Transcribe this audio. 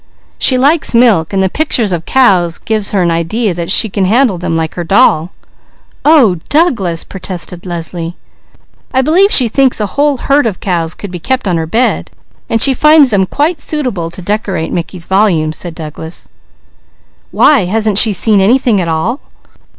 She likes milk, and the pictures of cows give her an idea that she can handle them like her doll " "Oh Douglas!" protested Leslie. "I believe she thinks a whole herd of cows could be kept on her bed, while she finds them quite suitable to decorate Mickey's volume," said Douglas. "Why, hasn't she seen anything at all?"